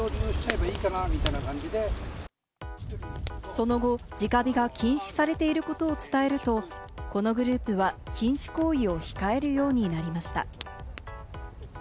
その後、直火が禁止されていることを伝えると、このグループは禁止行為を控えるようになりました。